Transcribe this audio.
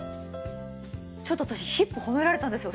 ちょっと私ヒップ褒められたんですよ。